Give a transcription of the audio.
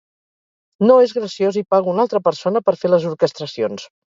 No és graciós i pago una altra persona per fer les orquestracions!